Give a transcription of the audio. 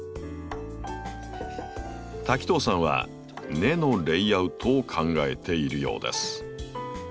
滝藤さんは根のレイアウトを考えているようです。